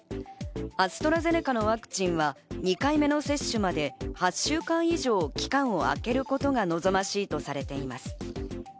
アストラゼネカのワクチンは２回目の接種まで、８週間以上期間をあけることが望ましいとされています。